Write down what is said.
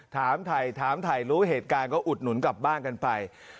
ถามถ่ายถามถ่ายรู้เหตุการณ์ก็อุดหนุนกลับบ้านกันไป